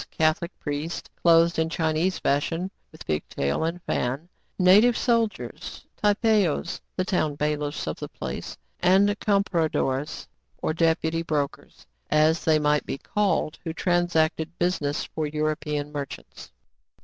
Catholic priests clothed in Chinese fashion with pigtail and fan, native soldiers, "tipaos" (the town bailiffs of the place), and " compradores," or deputy brokers, as they might be called, who transact busi ness for European merchants.